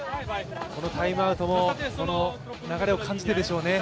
このタイムアウトもその流れを感じてでしょうね。